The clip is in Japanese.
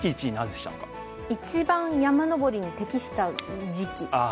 一番山登りに適した時期？